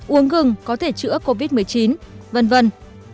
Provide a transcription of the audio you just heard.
uống gừng có thể chữa covid một mươi chín vân vân